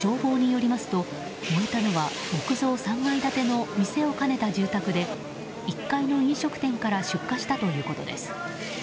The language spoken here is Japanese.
消防によりますと燃えたのは木造３階建ての店を兼ねた住宅で１階の飲食店から出火したということです。